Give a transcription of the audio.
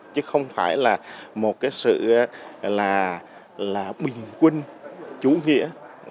chứ không phải là một cái sự là bình quân chủ nghĩa